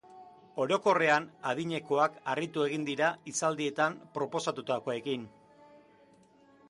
Orokorrean, adinekoak harritu egin dira hitzaldietan proposatutakoekin.